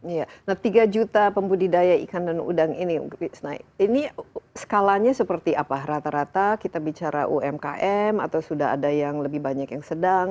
iya nah tiga juta pembudidaya ikan dan udang ini ini skalanya seperti apa rata rata kita bicara umkm atau sudah ada yang lebih banyak yang sedang